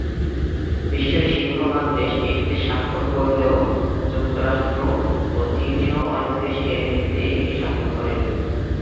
বিশ্বের সিংহভাগ দেশ এটিতে স্বাক্ষর করলেও যুক্তরাষ্ট্র ও চীন সহ অনেক দেশ এড়িয়ে যেতে এটিতে স্বাক্ষর করেনি।